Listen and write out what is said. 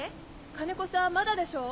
金子さんまだでしょ？